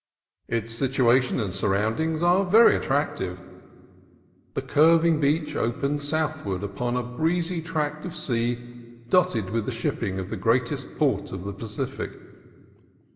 Its situation and surroundings are very at tractive. The curving beach opens southward upon a breezy tract of sea dotted with the shipping of the greatest port of the Pacific.